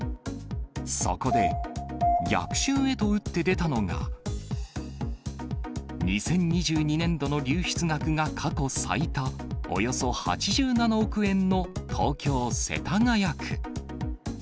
そこで逆襲へと打って出たのが、２０２２年度の流出額が過去最多、およそ８７億円の東京・世田谷区。